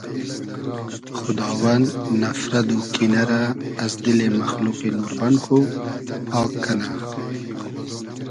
خوداوند نفرت و کینۂ رۂ از دیلی مئخلوقی نوربئن خو پاگ کئنۂ